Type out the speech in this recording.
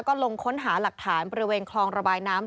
ก็ลงค้นหาหลักฐานบริเวณคลองระบายน้ำ